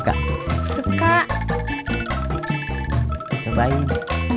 berapa udah weken something